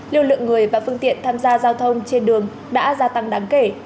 lưu lượng người và phương tiện tham gia giao thông trên đường đã gia tăng đáng kể